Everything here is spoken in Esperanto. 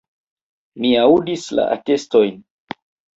Vi aŭdis la atestojn.